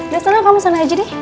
biasa lah kamu sana aja deh